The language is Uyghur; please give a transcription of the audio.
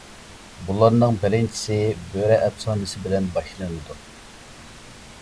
بۇلارنىڭ بىرىنچىسى بۆرە ئەپسانىسى بىلەن باشلىنىدۇ.